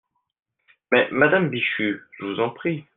Mais, madame Bichu, je vous en prie.